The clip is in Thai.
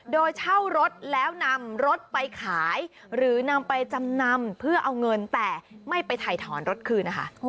โดยเช่ารถแล้วนำรถไปขายหรือนำไปจำนำเพื่อเอาเงินแต่ไม่ไปถ่ายถอนรถคืนนะคะ